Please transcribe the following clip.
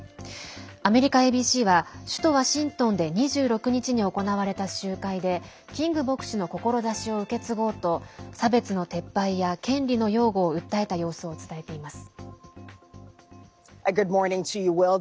アメリカＡＢＣは首都ワシントンで２６日に行われた集会でキング牧師の志を受け継ごうと差別の撤廃や権利の擁護を訴えた様子を伝えています。